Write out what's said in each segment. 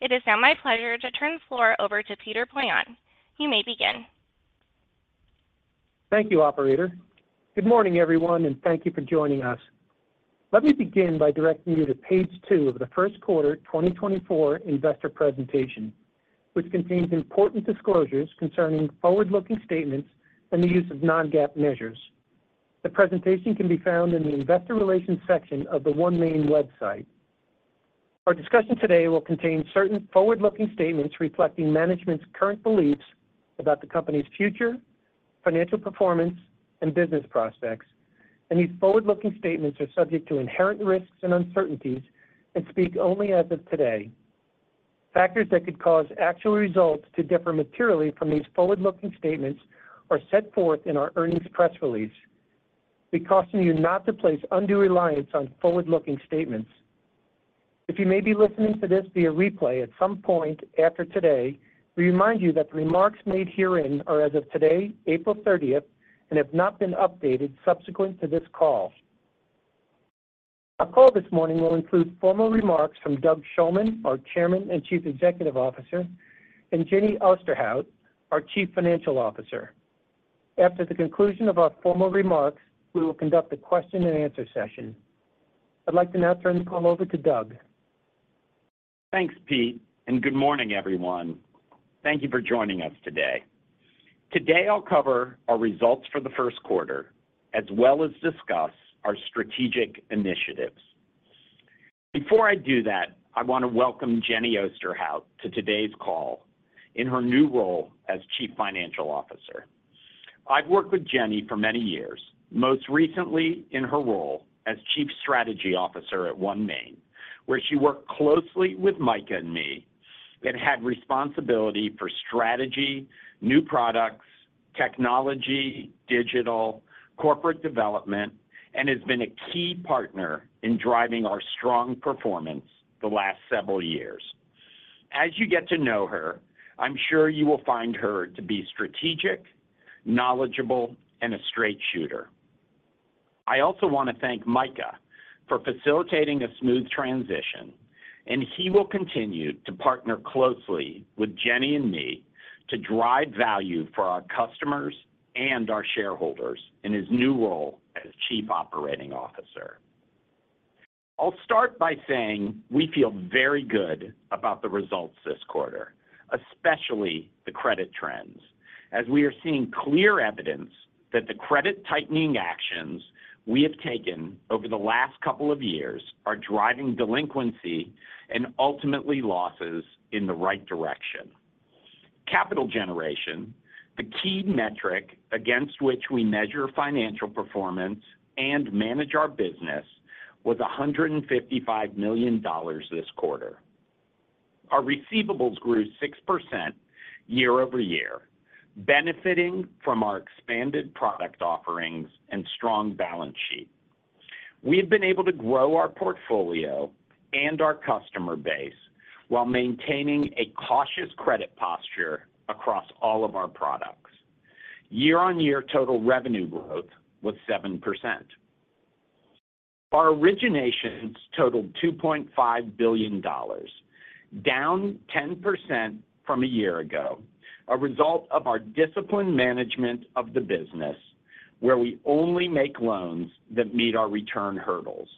It is now my pleasure to turn the floor over to Peter Poillon. You may begin. Thank you, operator. Good morning, everyone, and thank you for joining us. Let me begin by directing you to page 2 of the first quarter 2024 investor presentation, which contains important disclosures concerning forward-looking statements and the use of non-GAAP measures. The presentation can be found in the Investor Relations section of the OneMain website. Our discussion today will contain certain forward-looking statements reflecting management's current beliefs about the company's future, financial performance and business prospects, and these forward-looking statements are subject to inherent risks and uncertainties and speak only as of today. Factors that could cause actual results to differ materially from these forward-looking statements are set forth in our earnings press release. We caution you not to place undue reliance on forward-looking statements. If you may be listening to this via replay at some point after today, we remind you that the remarks made herein are as of today, April thirtieth, and have not been updated subsequent to this call. Our call this morning will include formal remarks from Doug Shulman, our Chairman and Chief Executive Officer, and Jenny Osterhout, our Chief Financial Officer. After the conclusion of our formal remarks, we will conduct a question-and-answer session. I'd like to now turn the call over to Doug. Thanks, Pete, and good morning, everyone. Thank you for joining us today. Today, I'll cover our results for the first quarter as well as discuss our strategic initiatives. Before I do that, I want to welcome Jenny Osterhout to today's call in her new role as Chief Financial Officer. I've worked with Jenny for many years, most recently in her role as Chief Strategy Officer at OneMain, where she worked closely with Micah and me and had responsibility for strategy, new products, technology, digital, corporate development, and has been a key partner in driving our strong performance the last several years. As you get to know her, I'm sure you will find her to be strategic, knowledgeable, and a straight shooter. I also want to thank Micah for facilitating a smooth transition, and he will continue to partner closely with Jenny and me to drive value for our customers and our shareholders in his new role as Chief Operating Officer. I'll start by saying we feel very good about the results this quarter, especially the credit trends, as we are seeing clear evidence that the credit tightening actions we have taken over the last couple of years are driving delinquency and ultimately losses in the right direction. Capital generation, the key metric against which we measure financial performance and manage our business, was $155 million this quarter. Our receivables grew 6% year-over-year, benefiting from our expanded product offerings and strong balance sheet. We have been able to grow our portfolio and our customer base while maintaining a cautious credit posture across all of our products. Year-on-year total revenue growth was 7%. Our originations totaled $2.5 billion, down 10% from a year ago, a result of our disciplined management of the business, where we only make loans that meet our return hurdles.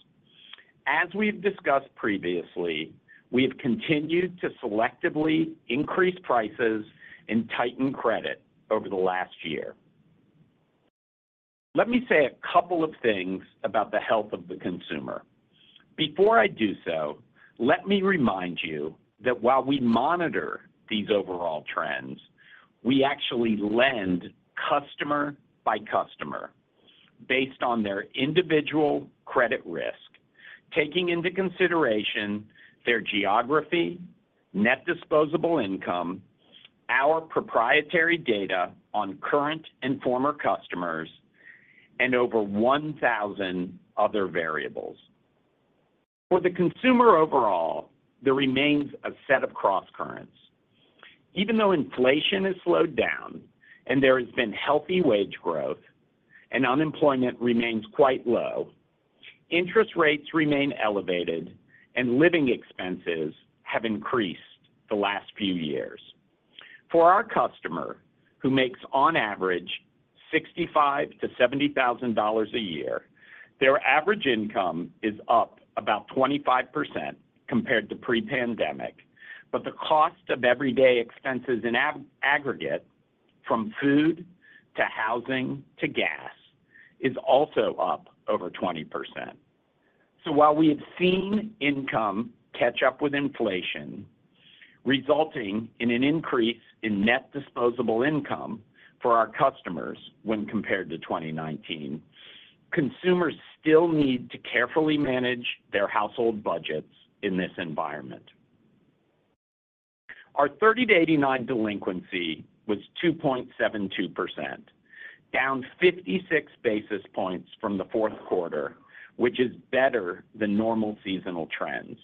As we've discussed previously, we have continued to selectively increase prices and tighten credit over the last year. Let me say a couple of things about the health of the consumer. Before I do so, let me remind you that while we monitor these overall trends, we actually lend customer by customer based on their individual credit risk, taking into consideration their geography, net disposable income, our proprietary data on current and former customers, and over 1,000 other variables. For the consumer overall, there remains a set of crosscurrents. Even though inflation has slowed down and there has been healthy wage growth and unemployment remains quite low, interest rates remain elevated, and living expenses have increased the last few years. For our customer, who makes on average $65,000-$70,000 a year, their average income is up about 25% compared to pre-pandemic, but the cost of everyday expenses in aggregate, from food to housing to gas, is also up over 20%. So while we have seen income catch up with inflation, resulting in an increase in net disposable income for our customers when compared to 2019, consumers still need to carefully manage their household budgets in this environment. Our 30-89 delinquency was 2.72%, down 56 basis points from the fourth quarter, which is better than normal seasonal trends.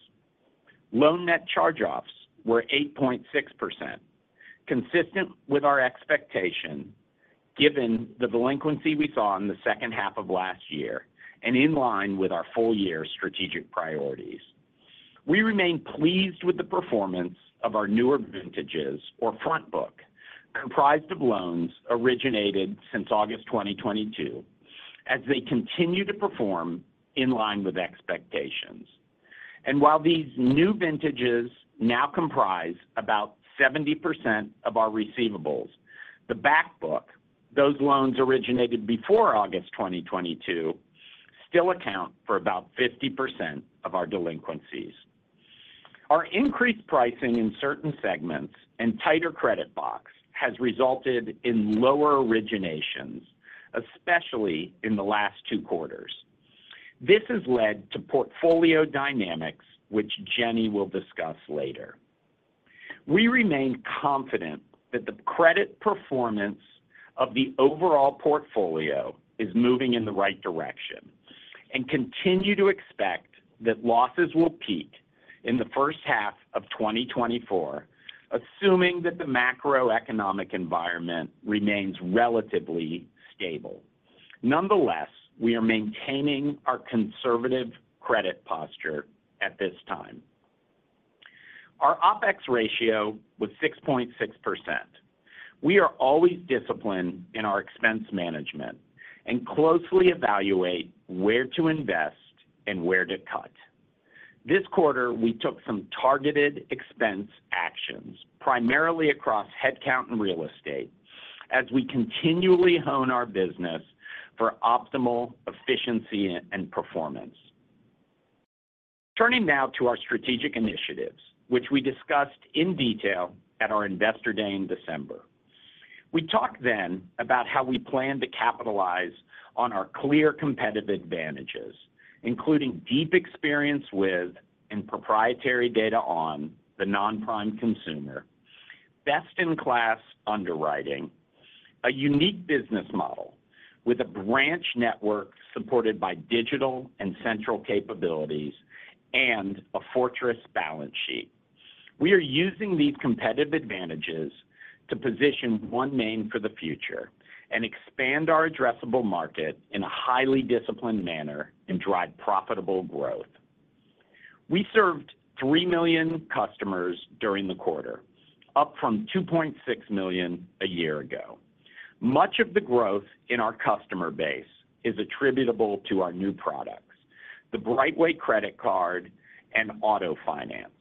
Loan net charge-offs were 8.6%, consistent with our expectation given the delinquency we saw in the second half of last year and in line with our full-year strategic priorities. We remain pleased with the performance of our newer vintages or front book, comprised of loans originated since August 2022, as they continue to perform in line with expectations. And while these new vintages now comprise about 70% of our receivables, the back book, those loans originated before August 2022, still account for about 50% of our delinquencies. Our increased pricing in certain segments and tighter credit box has resulted in lower originations, especially in the last two quarters. This has led to portfolio dynamics, which Jenny will discuss later. We remain confident that the credit performance of the overall portfolio is moving in the right direction and continue to expect that losses will peak in the first half of 2024, assuming that the macroeconomic environment remains relatively stable. Nonetheless, we are maintaining our conservative credit posture at this time. Our OpEx ratio was 6.6%. We are always disciplined in our expense management and closely evaluate where to invest and where to cut. This quarter, we took some targeted expense actions, primarily across headcount and real estate, as we continually hone our business for optimal efficiency and performance. Turning now to our strategic initiatives, which we discussed in detail at our Investor Day in December. We talked then about how we plan to capitalize on our clear competitive advantages, including deep experience with and proprietary data on the non-prime consumer, best-in-class underwriting, a unique business model with a branch network supported by digital and central capabilities, and a fortress balance sheet. We are using these competitive advantages to position OneMain for the future and expand our addressable market in a highly disciplined manner and drive profitable growth. We served 3 million customers during the quarter, up from 2.6 million a year ago. Much of the growth in our customer base is attributable to our new products, the BrightWay Credit Card and Auto Finance,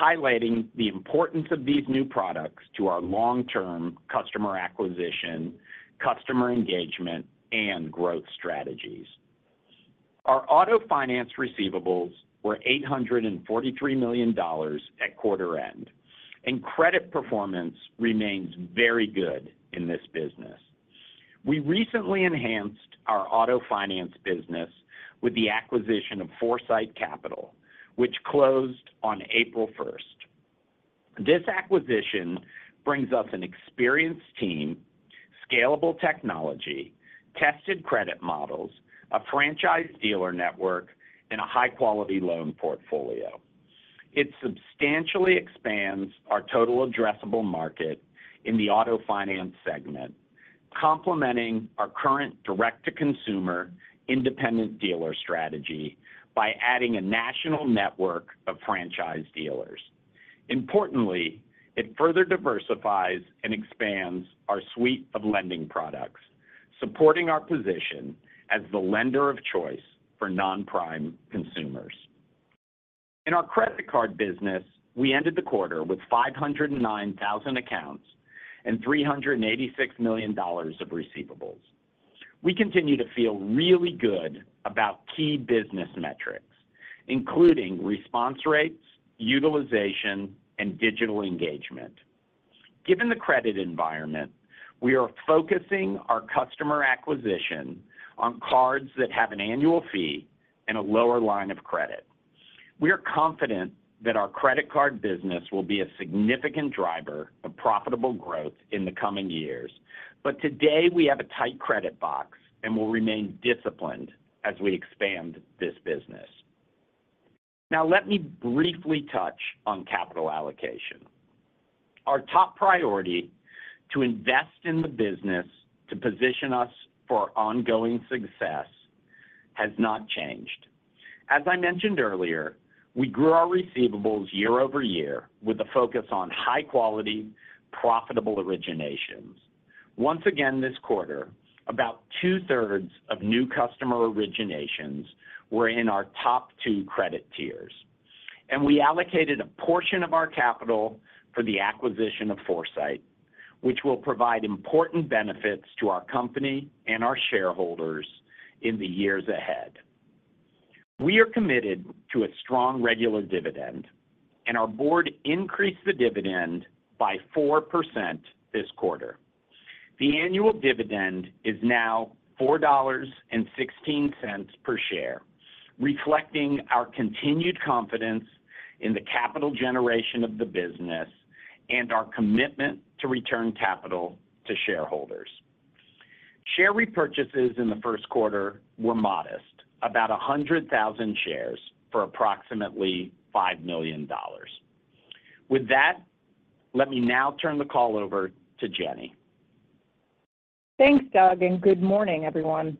highlighting the importance of these new products to our long-term customer acquisition, customer engagement, and growth strategies. Our Auto Finance receivables were $843 million at quarter end, and credit performance remains very good in this business. We recently enhanced our Auto Finance business with the acquisition of Foursight Capital, which closed on April first. This acquisition brings us an experienced team, scalable technology, tested credit models, a franchise dealer network, and a high-quality loan portfolio. It substantially expands our total addressable market in the auto finance segment, complementing our current direct-to-consumer independent dealer strategy by adding a national network of franchise dealers. Importantly, it further diversifies and expands our suite of lending products, supporting our position as the lender of choice for non-prime consumers. In our credit card business, we ended the quarter with 509,000 accounts and $386 million of receivables. We continue to feel really good about key business metrics, including response rates, utilization, and digital engagement. Given the credit environment, we are focusing our customer acquisition on cards that have an annual fee and a lower line of credit. We are confident that our credit card business will be a significant driver of profitable growth in the coming years. But today, we have a tight credit box and will remain disciplined as we expand this business. Now, let me briefly touch on capital allocation. Our top priority to invest in the business to position us for ongoing success has not changed. As I mentioned earlier, we grew our receivables year over year with a focus on high quality, profitable originations. Once again, this quarter, about two-thirds of new customer originations were in our top two credit tiers, and we allocated a portion of our capital for the acquisition of Foursight, which will provide important benefits to our company and our shareholders in the years ahead. We are committed to a strong regular dividend, and our board increased the dividend by 4% this quarter. The annual dividend is now $4.16 per share, reflecting our continued confidence in the capital generation of the business and our commitment to return capital to shareholders. Share repurchases in the first quarter were modest, about 100,000 shares for approximately $5 million. With that, let me now turn the call over to Jenny. Thanks, Doug, and good morning, everyone.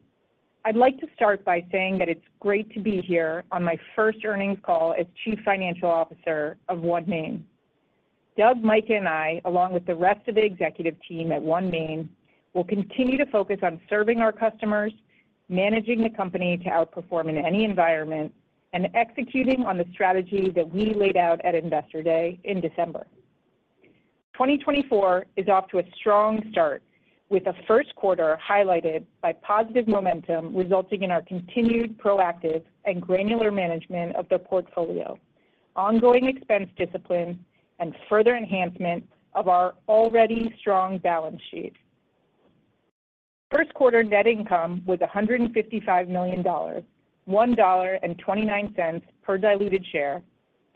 I'd like to start by saying that it's great to be here on my first earnings call as Chief Financial Officer of OneMain. Doug, Micah, and I, along with the rest of the executive team at OneMain, will continue to focus on serving our customers, managing the company to outperform in any environment, and executing on the strategy that we laid out at Investor Day in December. 2024 is off to a strong start, with the first quarter highlighted by positive momentum, resulting in our continued proactive and granular management of the portfolio, ongoing expense discipline, and further enhancement of our already strong balance sheet. First quarter net income was $155 million, $1.29 per diluted share,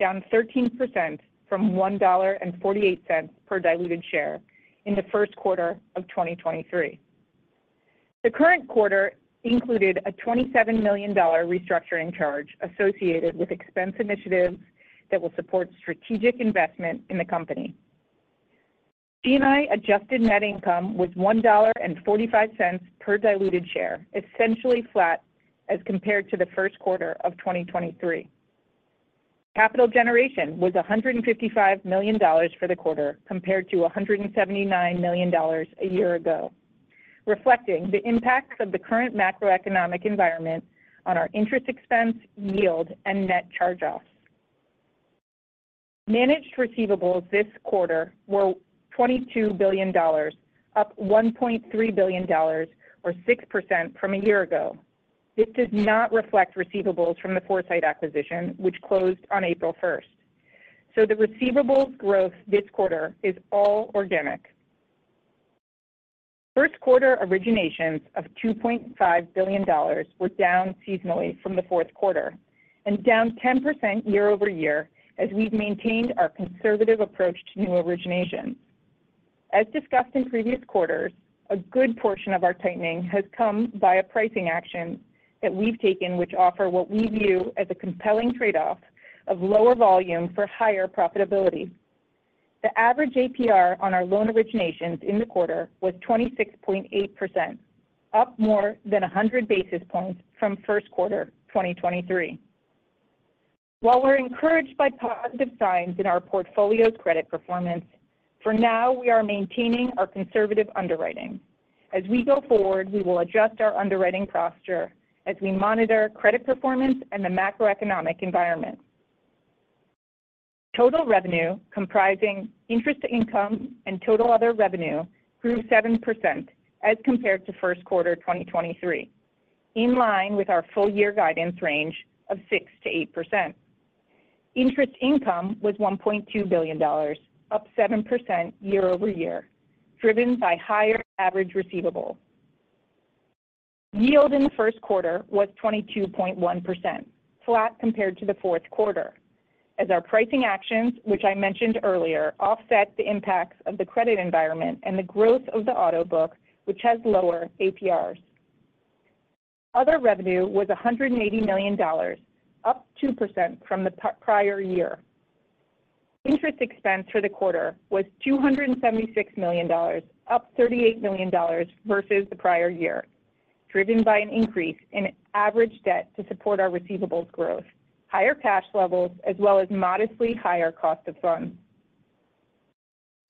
down 13% from $1.48 per diluted share in the first quarter of 2023. The current quarter included a $27 million restructuring charge associated with expense initiatives that will support strategic investment in the company. C&I adjusted net income was $1.45 per diluted share, essentially flat as compared to the first quarter of 2023. Capital generation was $155 million for the quarter, compared to $179 million a year ago, reflecting the impacts of the current macroeconomic environment on our interest expense, yield, and net charge-offs. Managed receivables this quarter were $22 billion, up $1.3 billion, or 6% from a year ago. This does not reflect receivables from the Foursight acquisition, which closed on April first. So the receivables growth this quarter is all organic. First quarter originations of $2.5 billion were down seasonally from the fourth quarter and down 10% year-over-year as we've maintained our conservative approach to new originations. As discussed in previous quarters, a good portion of our tightening has come via pricing actions that we've taken, which offer what we view as a compelling trade-off of lower volume for higher profitability. The average APR on our loan originations in the quarter was 26.8%, up more than 100 basis points from first quarter 2023. While we're encouraged by positive signs in our portfolio's credit performance, for now, we are maintaining our conservative underwriting. As we go forward, we will adjust our underwriting posture as we monitor credit performance and the macroeconomic environment. Total revenue, comprising interest income and total other revenue, grew 7% as compared to first quarter 2023, in line with our full-year guidance range of 6%-8%. Interest income was $1.2 billion, up 7% year-over-year, driven by higher average receivables. Yield in the first quarter was 22.1%, flat compared to the fourth quarter, as our pricing actions, which I mentioned earlier, offset the impacts of the credit environment and the growth of the auto book, which has lower APRs. Other revenue was $180 million, up 2% from the pre-prior year. Interest expense for the quarter was $276 million, up $38 million versus the prior year, driven by an increase in average debt to support our receivables growth, higher cash levels, as well as modestly higher cost of funds.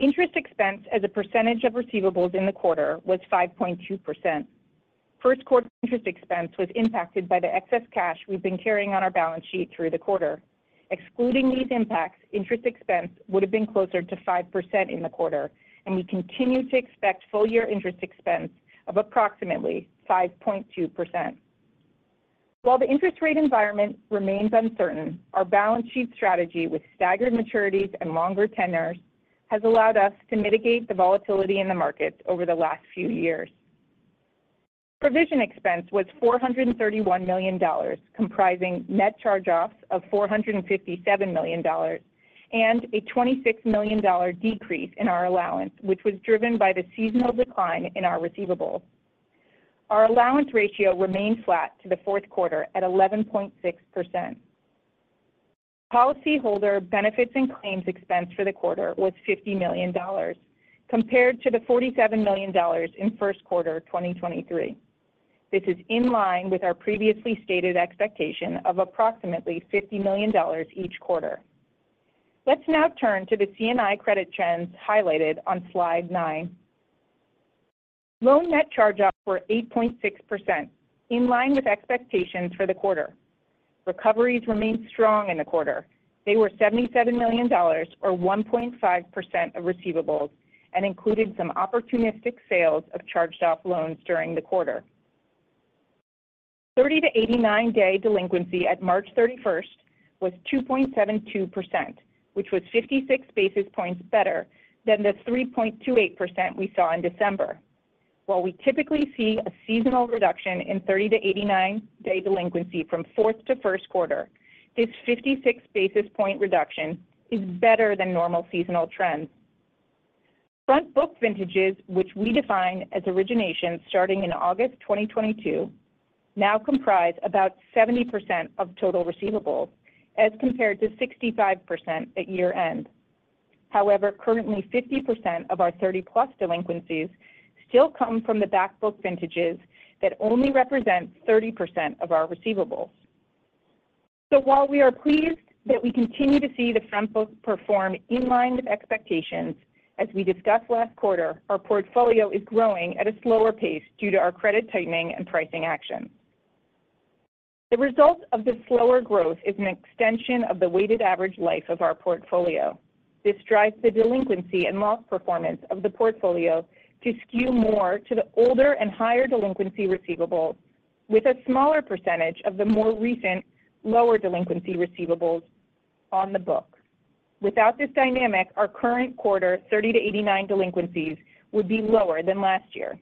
Interest expense as a percentage of receivables in the quarter was 5.2%. First quarter interest expense was impacted by the excess cash we've been carrying on our balance sheet through the quarter. Excluding these impacts, interest expense would have been closer to 5% in the quarter, and we continue to expect full-year interest expense of approximately 5.2%. While the interest rate environment remains uncertain, our balance sheet strategy with staggered maturities and longer tenors has allowed us to mitigate the volatility in the market over the last few years. Provision expense was $431 million, comprising net charge-offs of $457 million and a $26 million decrease in our allowance, which was driven by the seasonal decline in our receivables. Our allowance ratio remained flat to the fourth quarter at 11.6%. Policyholder benefits and claims expense for the quarter was $50 million, compared to the $47 million in first quarter 2023. This is in line with our previously stated expectation of approximately $50 million each quarter. Let's now turn to the CNI credit trends highlighted on slide 9. Loan net charge-offs were 8.6%, in line with expectations for the quarter. Recoveries remained strong in the quarter. They were $77 million, or 1.5% of receivables, and included some opportunistic sales of charged-off loans during the quarter. 30- to 89-day delinquency at March 31st was 2.72%, which was 56 basis points better than the 3.28% we saw in December. While we typically see a seasonal reduction in 30- to 89-day delinquency from fourth to first quarter, this 56 basis point reduction is better than normal seasonal trends. Front-book vintages, which we define as origination starting in August 2022, now comprise about 70% of total receivables, as compared to 65% at year-end. However, currently, 50% of our 30+ delinquencies still come from the back-book vintages that only represent 30% of our receivables. So while we are pleased that we continue to see the front book perform in line with expectations, as we discussed last quarter, our portfolio is growing at a slower pace due to our credit tightening and pricing actions. The result of this slower growth is an extension of the weighted average life of our portfolio. This drives the delinquency and loss performance of the portfolio to skew more to the older and higher delinquency receivables, with a smaller percentage of the more recent lower delinquency receivables on the book. Without this dynamic, our current quarter 30-89 delinquencies would be lower than last year.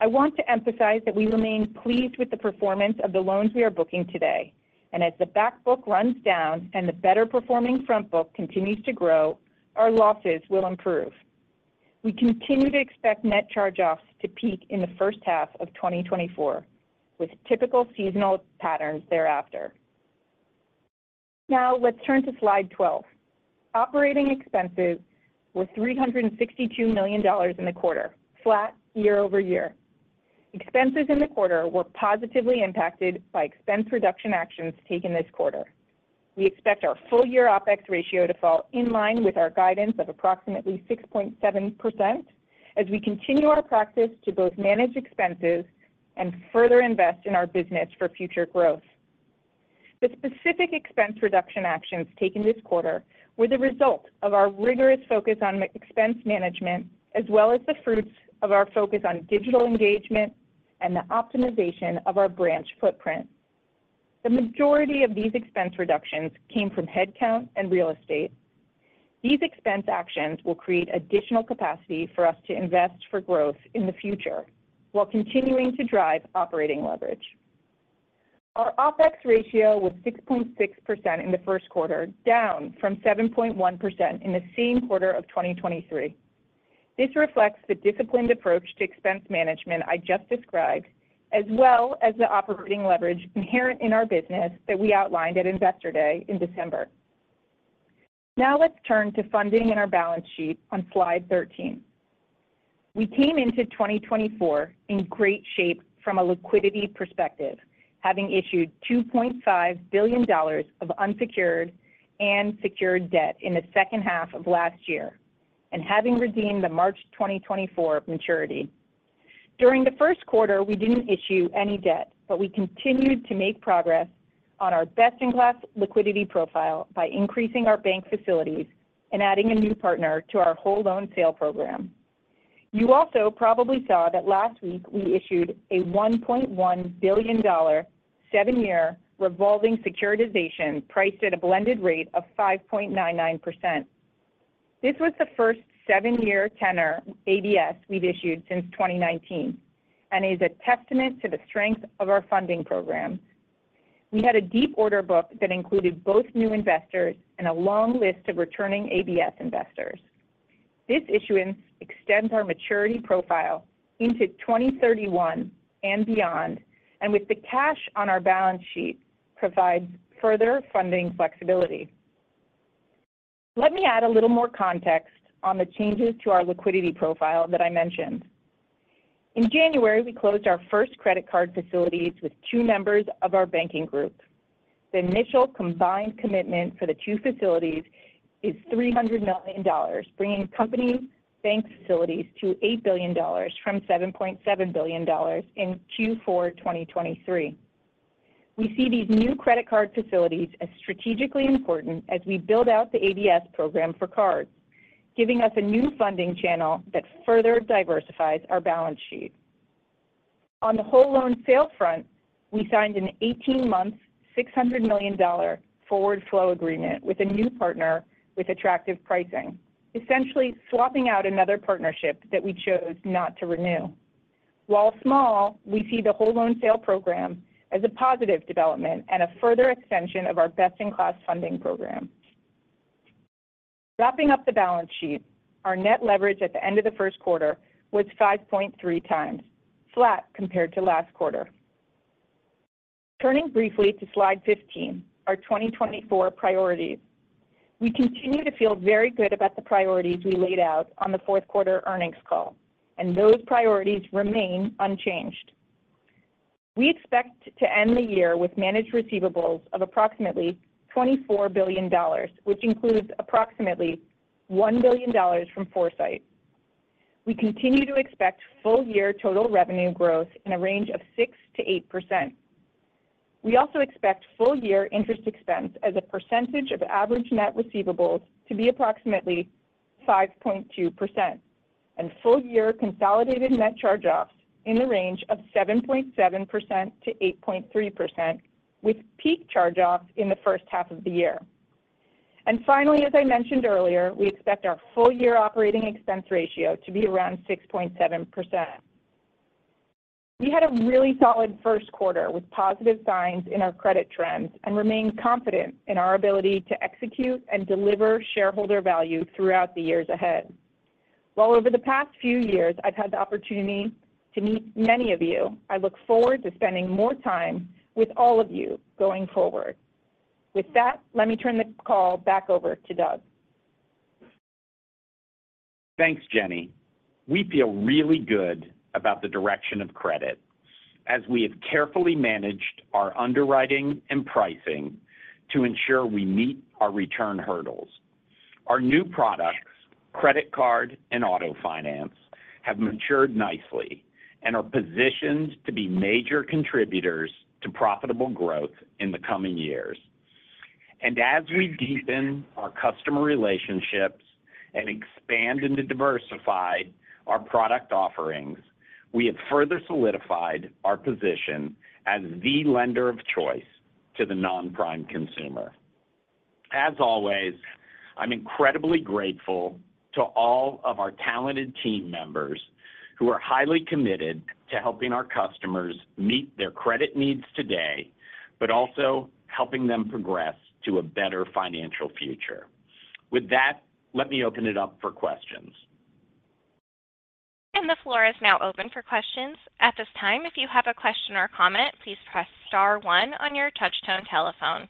I want to emphasize that we remain pleased with the performance of the loans we are booking today, and as the back book runs down and the better-performing front book continues to grow, our losses will improve. We continue to expect net charge-offs to peak in the first half of 2024, with typical seasonal patterns thereafter. Now, let's turn to Slide 12. Operating expenses were $362 million in the quarter, flat year-over-year. Expenses in the quarter were positively impacted by expense reduction actions taken this quarter. We expect our full-year OpEx ratio to fall in line with our guidance of approximately 6.7% as we continue our practice to both manage expenses and further invest in our business for future growth. The specific expense reduction actions taken this quarter were the result of our rigorous focus on expense management, as well as the fruits of our focus on digital engagement and the optimization of our branch footprint. The majority of these expense reductions came from headcount and real estate. These expense actions will create additional capacity for us to invest for growth in the future while continuing to drive operating leverage. Our OpEx ratio was 6.6% in the first quarter, down from 7.1% in the same quarter of 2023. This reflects the disciplined approach to expense management I just described, as well as the operating leverage inherent in our business that we outlined at Investor Day in December. Now, let's turn to funding and our balance sheet on Slide 13. We came into 2024 in great shape from a liquidity perspective, having issued $2.5 billion of unsecured and secured debt in the second half of last year and having redeemed the March 2024 maturity. During the first quarter, we didn't issue any debt, but we continued to make progress on our best-in-class liquidity profile by increasing our bank facilities and adding a new partner to our whole loan sale program. You also probably saw that last week we issued a $1.1 billion 7-year revolving securitization priced at a blended rate of 5.99%. This was the first seven-year tenor ABS we've issued since 2019 and is a testament to the strength of our funding program. We had a deep order book that included both new investors and a long list of returning ABS investors. This issuance extends our maturity profile into 2031 and beyond, and with the cash on our balance sheet, provides further funding flexibility. Let me add a little more context on the changes to our liquidity profile that I mentioned. In January, we closed our first credit card facilities with two members of our banking group. The initial combined commitment for the two facilities is $300 million, bringing company bank facilities to $8 billion from $7.7 billion in Q4 2023. We see these new credit card facilities as strategically important as we build out the ABS program for cards, giving us a new funding channel that further diversifies our balance sheet. On the whole loan sale front, we signed an 18-month, $600 million forward flow agreement with a new partner with attractive pricing, essentially swapping out another partnership that we chose not to renew. While small, we see the whole loan sale program as a positive development and a further extension of our best-in-class funding program. Wrapping up the balance sheet, our net leverage at the end of the first quarter was 5.3 times, flat compared to last quarter. Turning briefly to Slide 15, our 2024 priorities. We continue to feel very good about the priorities we laid out on the fourth quarter earnings call, and those priorities remain unchanged. We expect to end the year with managed receivables of approximately $24 billion, which includes approximately $1 billion from Foursight. We continue to expect full-year total revenue growth in a range of 6%-8%. We also expect full-year interest expense as a percentage of average net receivables to be approximately 5.2%, and full-year consolidated net charge-offs in the range of 7.7%-8.3%, with peak charge-offs in the first half of the year. And finally, as I mentioned earlier, we expect our full-year operating expense ratio to be around 6.7%. We had a really solid first quarter with positive signs in our credit trends and remain confident in our ability to execute and deliver shareholder value throughout the years ahead. While over the past few years, I've had the opportunity to meet many of you, I look forward to spending more time with all of you going forward. With that, let me turn the call back over to Doug. Thanks, Jenny. We feel really good about the direction of credit as we have carefully managed our underwriting and pricing to ensure we meet our return hurdles. Our new products, credit card and auto finance, have matured nicely and are positioned to be major contributors to profitable growth in the coming years. As we deepen our customer relationships and expand and to diversify our product offerings, we have further solidified our position as the lender of choice to the non-prime consumer. As always, I'm incredibly grateful to all of our talented team members who are highly committed to helping our customers meet their credit needs today, but also helping them progress to a better financial future. With that, let me open it up for questions. The floor is now open for questions. At this time, if you have a question or comment, please press star one on your touchtone telephone.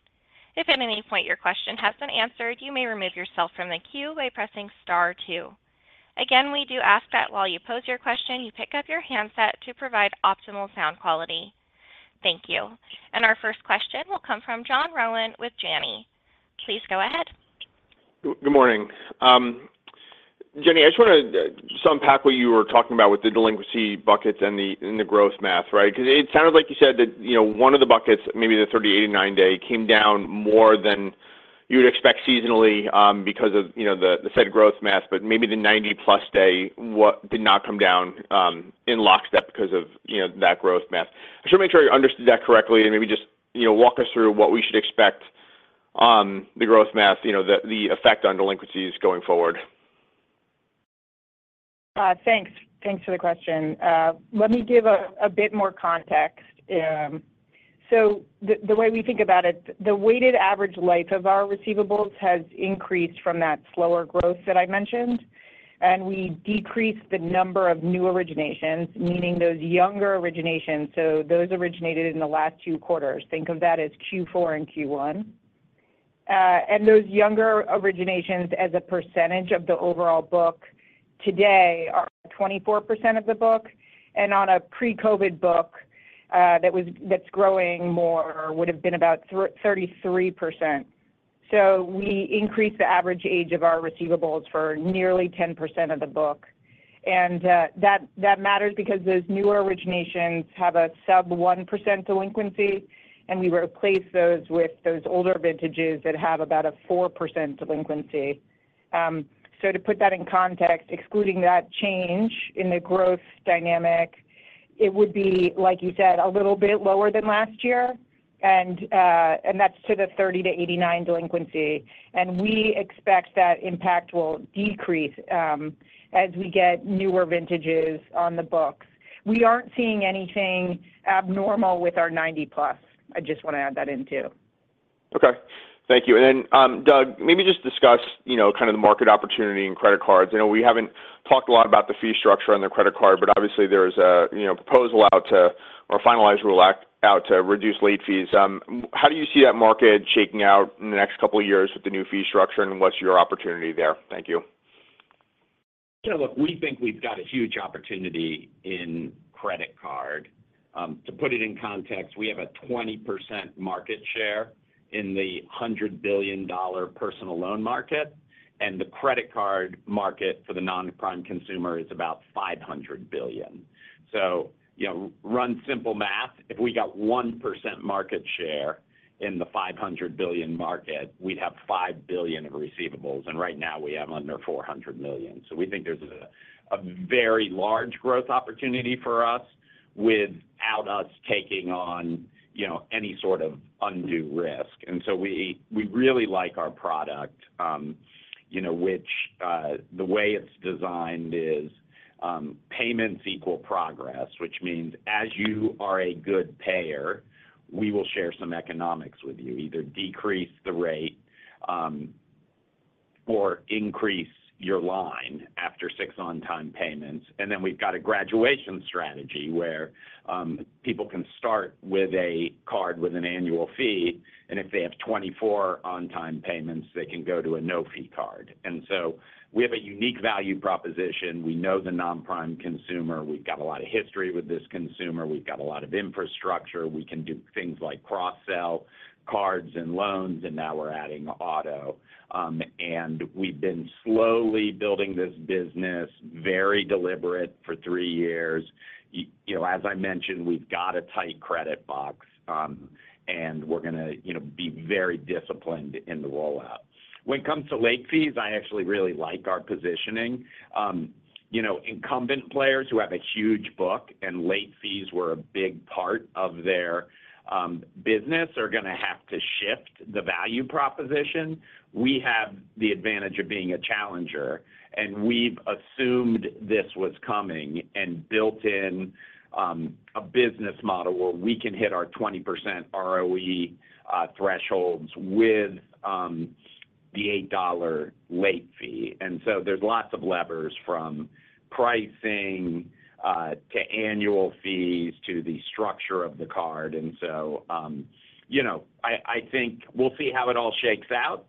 If at any point your question has been answered, you may remove yourself from the queue by pressing star two. Again, we do ask that while you pose your question, you pick up your handset to provide optimal sound quality. Thank you. Our first question will come from John Rowan with Janney. Please go ahead. Good morning. Jenny, I just want to unpack what you were talking about with the delinquency buckets and the growth math, right? Because it sounded like you said that, you know, one of the buckets, maybe the 30-89 day, came down more than you would expect seasonally, because of, you know, the said growth math, but maybe the 90+ day did not come down in lockstep because of, you know, that growth math. I just want to make sure I understood that correctly, and maybe just, you know, walk us through what we should expect on the growth math, you know, the effect on delinquencies going forward. Thanks. Thanks for the question. Let me give a bit more context. So the way we think about it, the weighted average life of our receivables has increased from that slower growth that I mentioned, and we decreased the number of new originations, meaning those younger originations, so those originated in the last 2 quarters. Think of that as Q4 and Q1. And those younger originations as a percentage of the overall book today are 24% of the book, and on a pre-COVID book, that was-- that's growing more, would have been about 33%. So we increased the average age of our receivables for nearly 10% of the book. And that matters because those newer originations have a sub 1% delinquency, and we replaced those with those older vintages that have about a 4% delinquency. So to put that in context, excluding that change in the growth dynamic, it would be, like you said, a little bit lower than last year. And, and that's to the 30-89 delinquency, and we expect that impact will decrease, as we get newer vintages on the books. We aren't seeing anything abnormal with our 90+. I just want to add that in, too. Okay. Thank you. And then, Doug, maybe just discuss, you know, kind of the market opportunity in credit cards. You know, we haven't talked a lot about the fee structure on the credit card, but obviously there's a, you know, proposal out to, or finalized rule out, to reduce late fees. How do you see that market shaking out in the next couple of years with the new fee structure and what's your opportunity there? Thank you. You know, look, we think we've got a huge opportunity in credit card. To put it in context, we have a 20% market share in the $100 billion personal loan market, and the credit card market for the non-prime consumer is about $500 billion. So, you know, run simple math. If we got 1% market share in the $500 billion market, we'd have $5 billion of receivables, and right now we have under $400 million. So we think there's a very large growth opportunity for us without us taking on, you know, any sort of undue risk. We really like our product, you know, which the way it's designed is payments equal progress, which means as you are a good payer, we will share some economics with you, either decrease the rate or increase your line after 6 on-time payments. And then we've got a graduation strategy where people can start with a card with an annual fee, and if they have 24 on-time payments, they can go to a no-fee card. And so we have a unique value proposition. We know the non-prime consumer. We've got a lot of history with this consumer. We've got a lot of infrastructure. We can do things like cross-sell cards and loans, and now we're adding auto. And we've been slowly building this business very deliberate for 3 years. You know, as I mentioned, we've got a tight credit box, and we're going to, you know, be very disciplined in the rollout. When it comes to late fees, I actually really like our positioning. You know, incumbent players who have a huge book and late fees were a big part of their business, are going to have to shift the value proposition. We have the advantage of being a challenger, and we've assumed this was coming and built in a business model where we can hit our 20% ROE thresholds with the $8 late fee. And so there's lots of levers, from pricing to annual fees, to the structure of the card. And so, you know, I think we'll see how it all shakes out.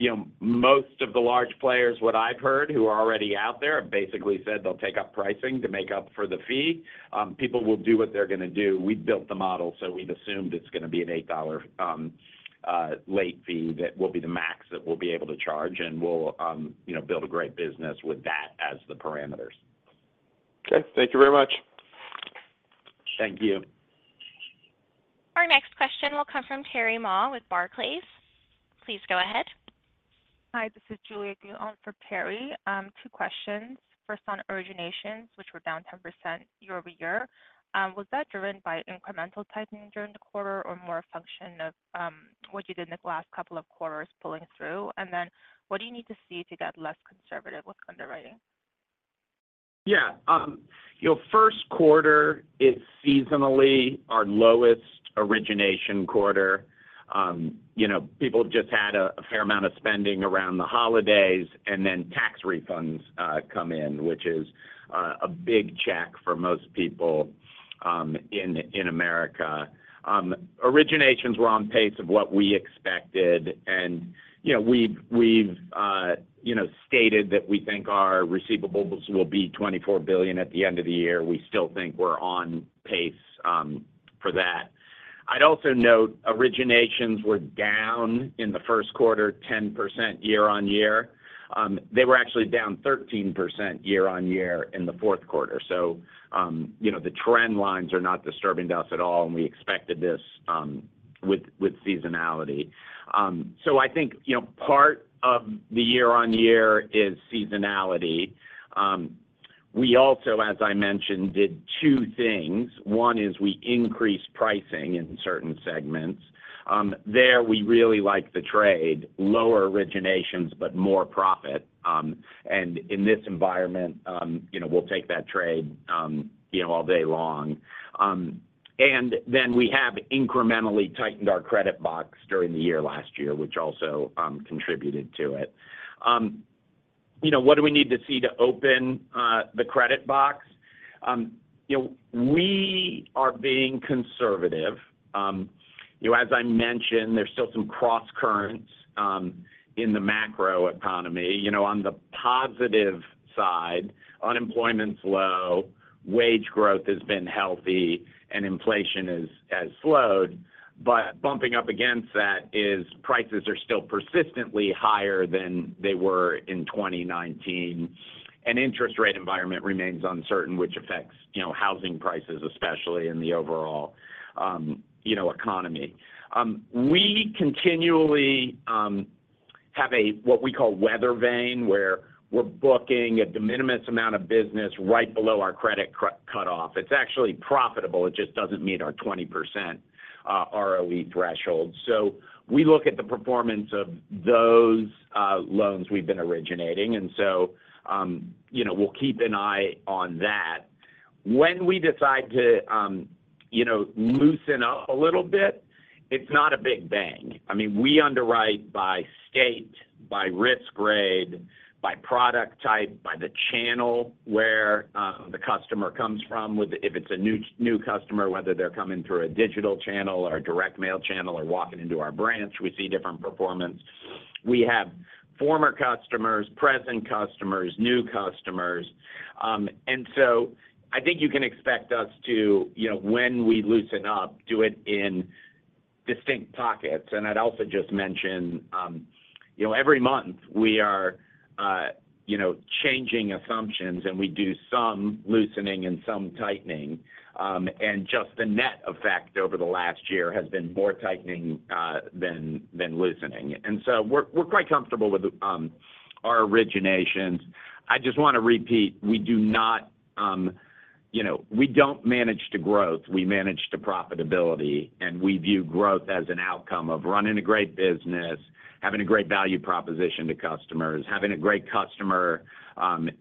You know, most of the large players, what I've heard, who are already out there, have basically said they'll take up pricing to make up for the fee. People will do what they're going to do. We've built the model, so we've assumed it's going to be an $8 late fee. That will be the max that we'll be able to charge, and we'll, you know, build a great business with that as the parameters. Okay. Thank you very much. Thank you. Our next question will come from Terry Ma with Barclays. Please go ahead. Hi, this is Julia Dion for Terry. Two questions. First, on originations, which were down 10% year-over-year, was that driven by incremental tightening during the quarter or more a function of, what you did in the last couple of quarters pulling through? And then what do you need to see to get less conservative with underwriting? Yeah. Your first quarter is seasonally our lowest origination quarter. You know, people just had a fair amount of spending around the holidays, and then tax refunds come in, which is a big check for most people in America. Originations were on pace of what we expected. And, you know, we've stated that we think our receivables will be $24 billion at the end of the year. We still think we're on pace for that. I'd also note originations were down in the first quarter, 10% year-on-year. They were actually down 13% year-on-year in the fourth quarter. So, you know, the trend lines are not disturbing to us at all, and we expected this with seasonality. So I think, you know, part of the year-on-year is seasonality. We also, as I mentioned, did two things. One is we increased pricing in certain segments. There, we really like the trade. Lower originations, but more profit. And in this environment, you know, we'll take that trade, you know, all day long. And then we have incrementally tightened our credit box during the year last year, which also contributed to it. You know, what do we need to see to open the credit box? You know, we are being conservative. You know, as I mentioned, there's still some crosscurrents in the macro economy. You know, on the positive side, unemployment's low, wage growth has been healthy, and inflation has slowed. But bumping up against that is prices are still persistently higher than they were in 2019, and interest rate environment remains uncertain, which affects, you know, housing prices, especially in the overall, you know, economy. We continually have a, what we call weathervane, where we're booking a de minimis amount of business right below our credit cut off. It's actually profitable. It just doesn't meet our 20% ROE threshold. So we look at the performance of those loans we've been originating, and so, you know, we'll keep an eye on that. When we decide to, you know, loosen up a little bit, it's not a big bang. I mean, we underwrite by state, by risk grade, by product type, by the channel where the customer comes from. If it's a new, new customer, whether they're coming through a digital channel or a direct mail channel or walking into our branch, we see different performance. We have former customers, present customers, new customers. So I think you can expect us to, you know, when we loosen up, do it in distinct pockets. I'd also just mention, you know, every month we are, you know, changing assumptions, and we do some loosening and some tightening. Just the net effect over the last year has been more tightening, than, than loosening. So we're, we're quite comfortable with our originations. I just want to repeat, we do not, you know, we don't manage to growth. We manage to profitability, and we view growth as an outcome of running a great business, having a great value proposition to customers, having a great customer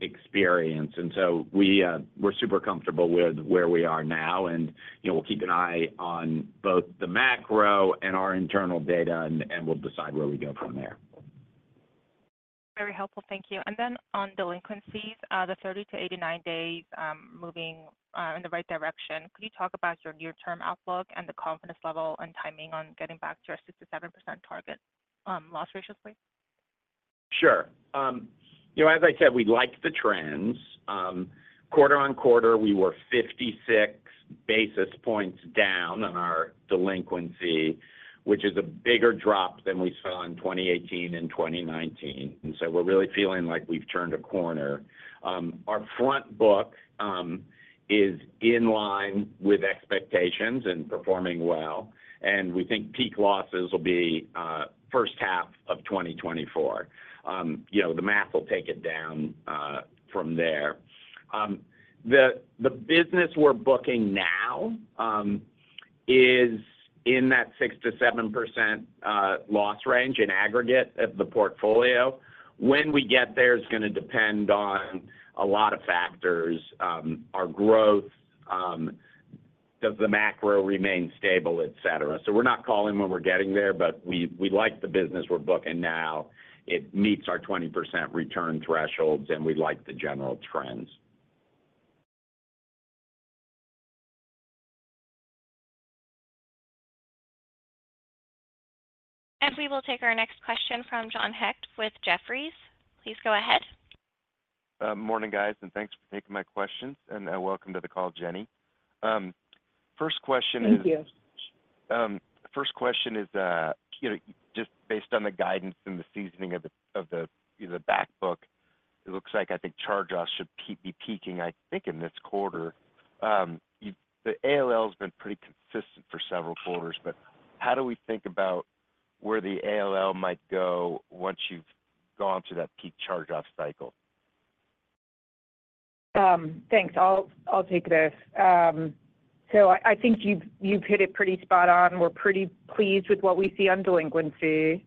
experience. And so we, we're super comfortable with where we are now, and, you know, we'll keep an eye on both the macro and our internal data, and we'll decide where we go from there. Very helpful. Thank you. And then on delinquencies, the 30-89 days, moving in the right direction, could you talk about your near-term outlook and the confidence level and timing on getting back to your 6%-7% target, loss ratios, please? Sure. You know, as I said, we like the trends. Quarter-on-quarter, we were 56 basis points down on our delinquency, which is a bigger drop than we saw in 2018 and 2019. And so we're really feeling like we've turned a corner. Our front book is in line with expectations and performing well, and we think peak losses will be first half of 2024. You know, the math will take it down from there. The business we're booking now is in that 6%-7% loss range in aggregate of the portfolio. When we get there is gonna depend on a lot of factors. Our growth, does the macro remain stable, et cetera. So we're not calling when we're getting there, but we like the business we're booking now. It meets our 20% return thresholds, and we like the general trends. We will take our next question from John Hecht with Jefferies. Please go ahead. Morning, guys, and thanks for taking my questions. And, welcome to the call, Jenny. First question is. Thank you. First question is, you know, just based on the guidance and the seasoning of the back book, it looks like I think charge-offs should keep peaking, I think, in this quarter. The ALL's been pretty consistent for several quarters, but how do we think about where the ALL might go once you've gone through that peak charge-off cycle? Thanks. I'll take this. So I think you've hit it pretty spot on. We're pretty pleased with what we see on delinquency.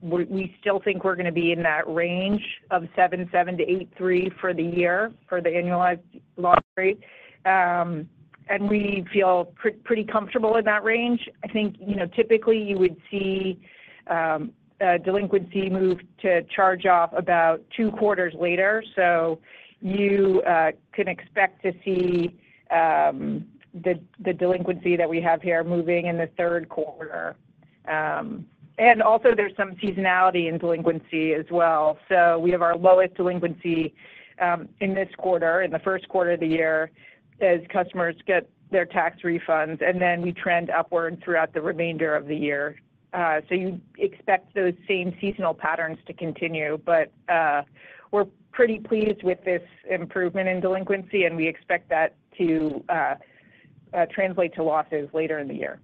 We still think we're gonna be in that range of 7.7%-8.3% for the year, for the annualized loss rate. And we feel pretty comfortable in that range. I think, you know, typically you would see delinquency move to charge off about two quarters later. So you can expect to see the delinquency that we have here moving in the third quarter. And also there's some seasonality in delinquency as well. So we have our lowest delinquency in this quarter, in the first quarter of the year, as customers get their tax refunds, and then we trend upward throughout the remainder of the year. So you expect those same seasonal patterns to continue. But, we're pretty pleased with this improvement in delinquency, and we expect that to translate to losses later in the year.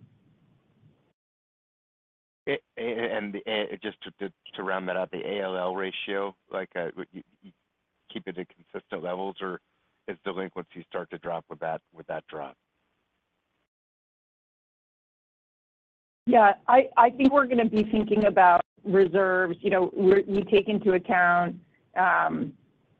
And just to round that out, the ALL ratio, like, you keep it at consistent levels, or as delinquencies start to drop, would that drop? Yeah, I think we're gonna be thinking about reserves. You know, we're we take into account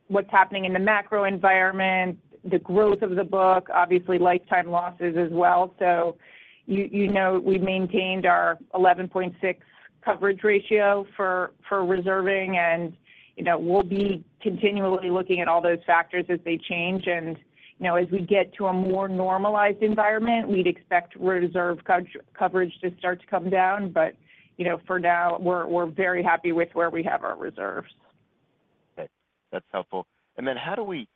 what's happening in the macro environment, the growth of the book, obviously lifetime losses as well. So, you know, we've maintained our 11.6 coverage ratio for reserving, and, you know, we'll be continually looking at all those factors as they change. And, you know, as we get to a more normalized environment, we'd expect our reserve coverage to start to come down. But, you know, for now, we're very happy with where we have our reserves. Okay, that's helpful. And then how do we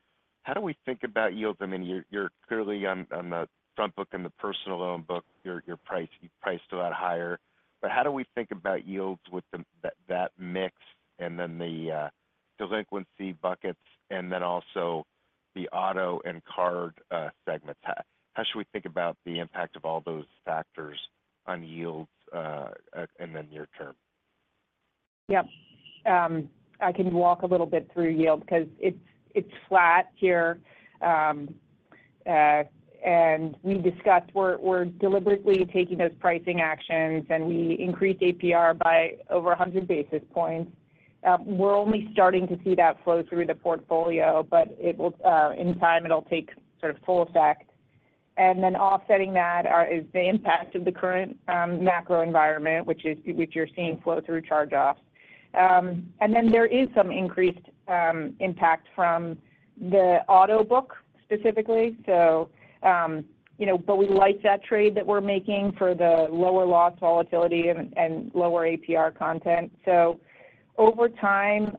think about yields? I mean, you're clearly on the front book and the personal loan book, your price, you priced a lot higher. But how do we think about yields with that mix and then the delinquency buckets and then also the auto and card segments? How should we think about the impact of all those factors on yields in the near term? Yep. I can walk a little bit through yields because it's flat here. And we discussed we're deliberately taking those pricing actions, and we increased APR by over 100 basis points. We're only starting to see that flow through the portfolio, but it will in time, it'll take sort of full effect. And then offsetting that is the impact of the current macro environment, which you're seeing flow through charge-offs. And then there is some increased impact from the auto book specifically. So, you know, but we like that trade that we're making for the lower loss volatility and lower APR content. So over time,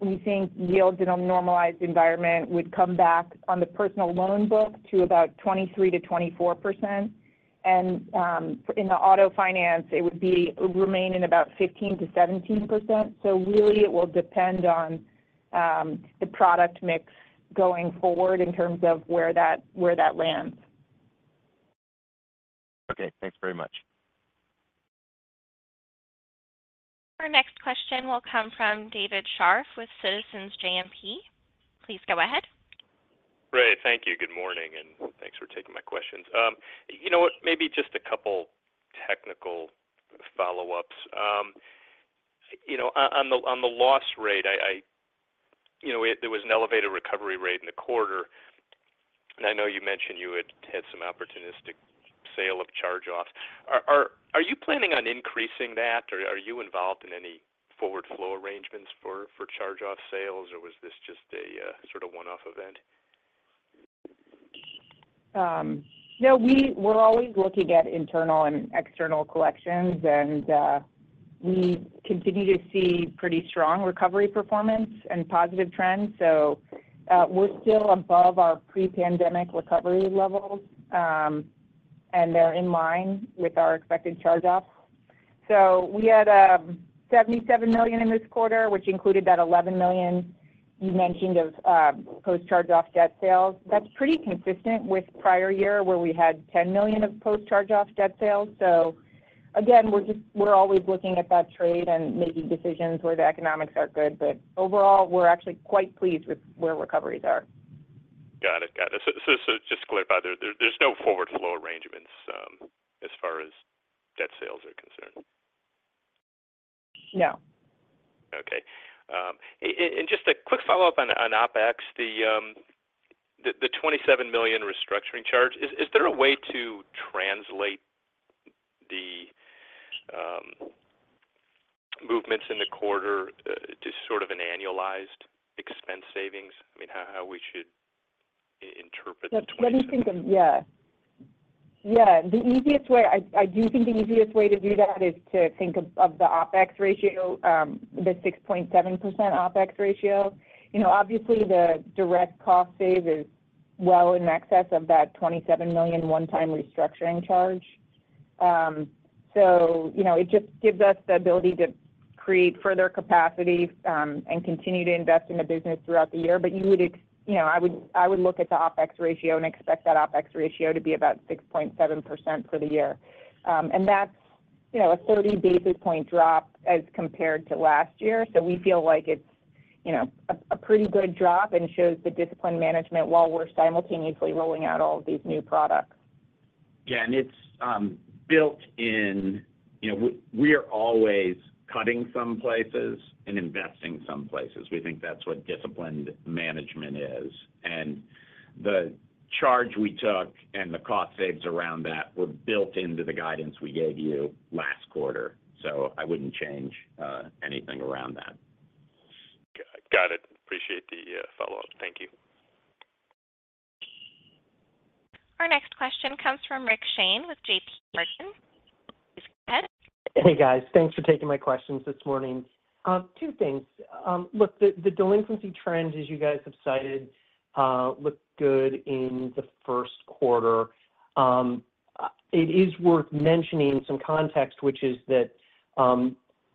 we think yields in a normalized environment would come back on the personal loan book to about 23%-24%. In the auto finance, it would be remaining about 15%-17%. So really, it will depend on the product mix going forward in terms of where that, where that lands. Okay, thanks very much. Our next question will come from David Scharf with Citizens JMP. Please go ahead. Great. Thank you. Good morning, and thanks for taking my questions. You know what? Maybe just a couple technical follow-ups. You know, on the loss rate, you know, there was an elevated recovery rate in the quarter. And I know you mentioned you had had some opportunistic sale of charge-offs. Are you planning on increasing that, or are you involved in any forward flow arrangements for charge-off sales, or was this just a sort of one-off event? No, we're always looking at internal and external collections, and we continue to see pretty strong recovery performance and positive trends. So, we're still above our pre-pandemic recovery levels, and they're in line with our expected charge-offs. So we had $77 million in this quarter, which included that $11 million you mentioned of post-charge-off debt sales. That's pretty consistent with prior year, where we had $10 million of post-charge-off debt sales. So again, we're always looking at that trade and making decisions where the economics are good. But overall, we're actually quite pleased with where recoveries are. Got it. Got it. So just to clarify, there's no forward flow arrangements as far as debt sales are concerned? No. Okay. And just a quick follow-up on OpEx, the $27 million restructuring charge. Is there a way to translate the movements in the quarter to sort of an annualized expense savings? I mean, how we should interpret the. Yeah, the easiest way I do think the easiest way to do that is to think of the OpEx ratio, the 6.7% OpEx ratio. You know, obviously, the direct cost save is well in excess of that $27 million one-time restructuring charge. So you know, it just gives us the ability to create further capacity and continue to invest in the business throughout the year. But you would, you know, I would look at the OpEx ratio and expect that OpEx ratio to be about 6.7% for the year. And that's, you know, a 30-basis-point drop as compared to last year. So we feel like it's, you know, a pretty good drop and shows the disciplined management while we're simultaneously rolling out all of these new products. Yeah, and it's, built in. You know, we, we are always cutting some places and investing some places. We think that's what disciplined management is. And the charge we took and the cost saves around that were built into the guidance we gave you last quarter. So I wouldn't change, anything around that. Got it. Appreciate the follow-up. Thank you. Our next question comes from Rick Shane with JP Morgan. Go ahead. Hey, guys. Thanks for taking my questions this morning. Two things. Look, the delinquency trends, as you guys have cited, look good in the first quarter. It is worth mentioning some context, which is that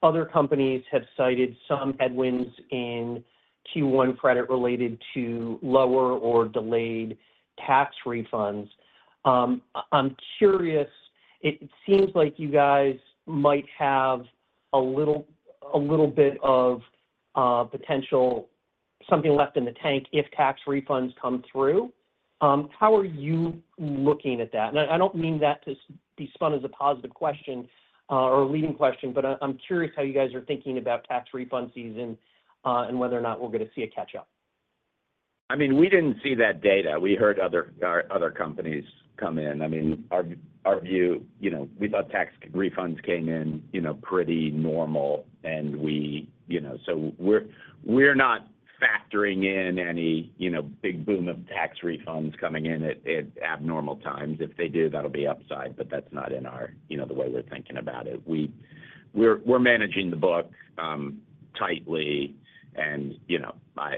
other companies have cited some headwinds in Q1 credit related to lower or delayed tax refunds. I'm curious, it seems like you guys might have a little, a little bit of potential something left in the tank if tax refunds come through. How are you looking at that? And I don't mean that to be spun as a positive question or a leading question, but I'm curious how you guys are thinking about tax refund season and whether or not we're going to see a catch-up. I mean, we didn't see that data. We heard other, other companies come in. I mean, our view, you know, we thought tax refunds came in, you know, pretty normal, and we, you know. So we're not factoring in any, you know, big boom of tax refunds coming in at abnormal times. If they do, that'll be upside, but that's not in our, you know, the way we're thinking about it. We're managing the book tightly, and, you know, I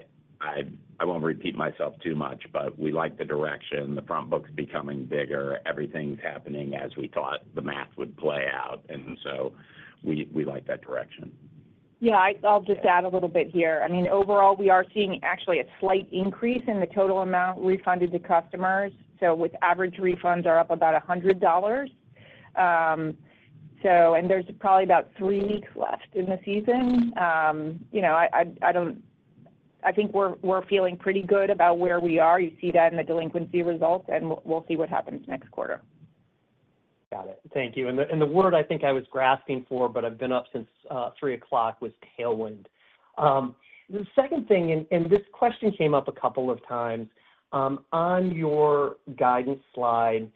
won't repeat myself too much, but we like the direction. The front book's becoming bigger. Everything's happening as we thought the math would play out, and so we like that direction. Yeah, I'll just add a little bit here. I mean, overall, we are seeing actually a slight increase in the total amount refunded to customers, so with average refunds are up about $100. And there's probably about three weeks left in the season. You know, I don't think we're feeling pretty good about where we are. You see that in the delinquency results, and we'll see what happens next quarter. Got it. Thank you. And the word I think I was grasping for, but I've been up since 3 o'clock, was tailwind. The second thing, and this question came up a couple of times. On your guidance slide,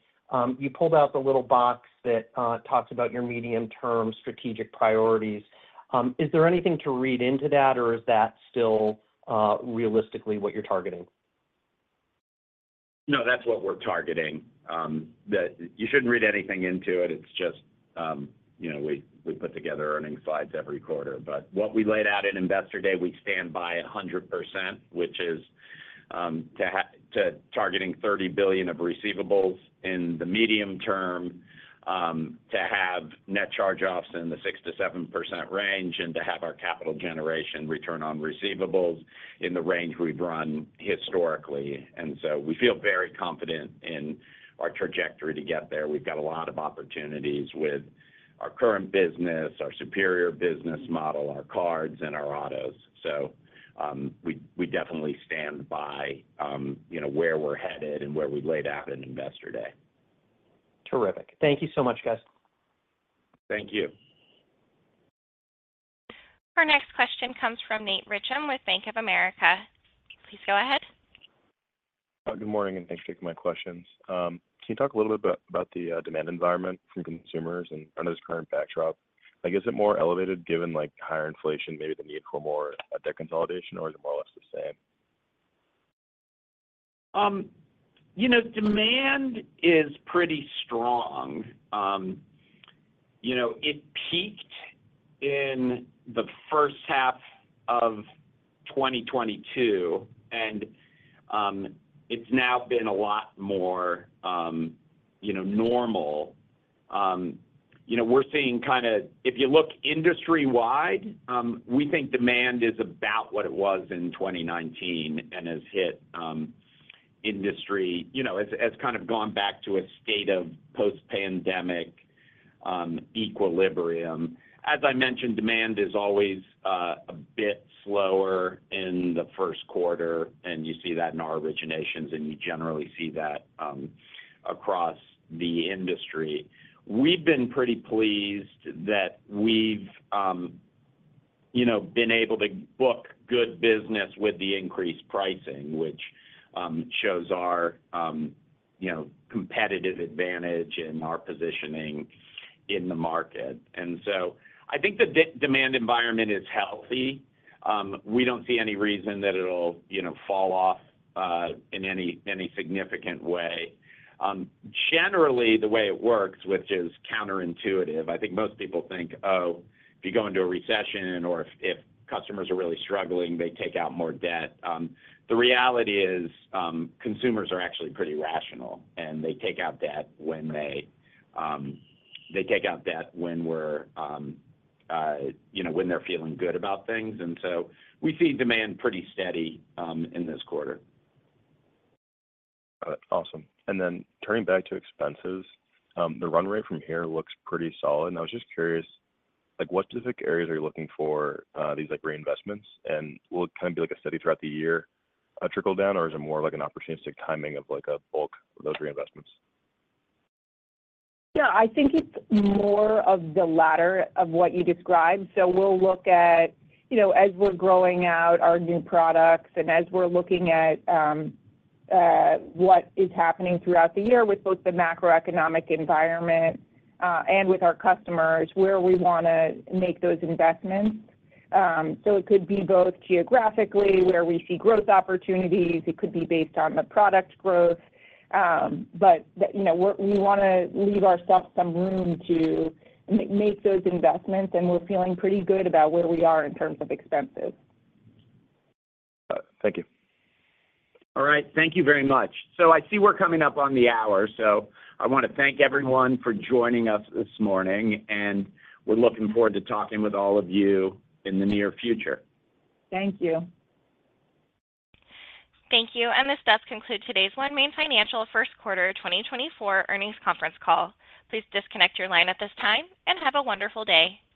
you pulled out the little box that talks about your medium-term strategic priorities. Is there anything to read into that, or is that still realistically what you're targeting? No, that's what we're targeting. You shouldn't read anything into it. It's just, you know, we put together earnings slides every quarter. But what we laid out at Investor Day, we stand by 100%, which is to targeting $30 billion of receivables in the medium term, to have net charge-offs in the 6%-7% range, and to have our capital generation return on receivables in the range we've run historically. And so we feel very confident in our trajectory to get there. We've got a lot of opportunities with our current business, our superior business model, our cards, and our autos. So, we definitely stand by, you know, where we're headed and where we laid out at Investor Day. Terrific. Thank you so much, guys. Thank you. Our next question comes from Nate Richum with Bank of America. Please go ahead. Good morning, and thanks for taking my questions. Can you talk a little bit about, about the demand environment from consumers and under this current backdrop? Like, is it more elevated given, like, higher inflation, maybe the need for more debt consolidation, or is it more or less the same? You know, demand is pretty strong. You know, it peaked in the first half of 2022, and it's now been a lot more, you know, normal. You know, we're seeing kind of—if you look industry-wide, we think demand is about what it was in 2019 and has hit industry. You know, it's kind of gone back to a state of post-pandemic equilibrium. As I mentioned, demand is always a bit slower in the first quarter, and you see that in our originations, and you generally see that across the industry. We've been pretty pleased that we've, you know, been able to book good business with the increased pricing, which shows our, you know, competitive advantage and our positioning in the market. And so I think the demand environment is healthy. We don't see any reason that it'll, you know, fall off in any significant way. Generally, the way it works, which is counterintuitive, I think most people think, "Oh, if you go into a recession or if customers are really struggling, they take out more debt." The reality is, consumers are actually pretty rational, and they take out debt when they take out debt when we're, you know, when they're feeling good about things, and so we see demand pretty steady in this quarter. Got it. Awesome. Then turning back to expenses, the runway from here looks pretty solid, and I was just curious, like, what specific areas are you looking for these, like, reinvestments? Will it kind of be, like, a steady throughout the year, trickle down, or is it more of, like, an opportunistic timing of, like, a bulk of those reinvestments? Yeah, I think it's more of the latter of what you described. So we'll look at, you know, as we're growing out our new products and as we're looking at what is happening throughout the year with both the macroeconomic environment and with our customers, where we wanna make those investments. So it could be both geographically, where we see growth opportunities. It could be based on the product growth. But the. You know, we're we wanna leave ourselves some room to make those investments, and we're feeling pretty good about where we are in terms of expenses. Got it. Thank you. All right. Thank you very much. So I see we're coming up on the hour, so I want to thank everyone for joining us this morning, and we're looking forward to talking with all of you in the near future. Thank you. Thank you, and this does conclude today's OneMain Financial first quarter 2024 earnings conference call. Please disconnect your line at this time, and have a wonderful day.